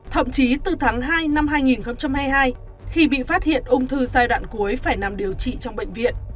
thậm chí từ tháng hai năm hai nghìn hai mươi hai khi bị phát hiện ung thư giai đoạn cuối phải nằm điều trị trong bệnh viện